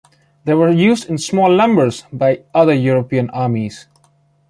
They were used in small numbers by other European armies.